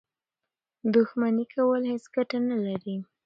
دښمني کول هېڅ ګټه نه لري.